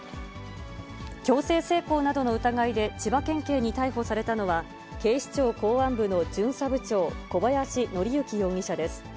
強制性交などの疑いで千葉県警に逮捕されたのは、警視庁公安部の巡査部長、小林徳之容疑者です。